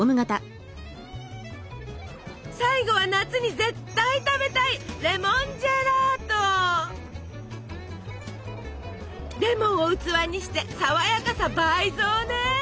最後は夏に絶対食べたいレモンを器にしてさわやかさ倍増ね。